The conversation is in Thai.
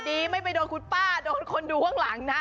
ดีไม่ไปโดนคุณป้าโดนคนดูข้างหลังนะ